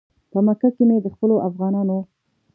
په مکه کې مې د خپلو افغانانو.